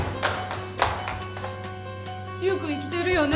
優君生きてるよね？